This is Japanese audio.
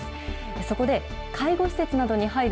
そこで、介護施設などに入る